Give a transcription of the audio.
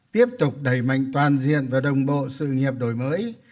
tiếp tục đẩy mạnh toàn diện và đồng bộ sự nghiệp đổi mới